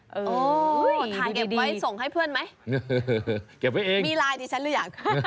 โหท้ายเก็บไว้ส่งให้เพื่อนมั้ยมีไลน์ที่ฉันหรือยัง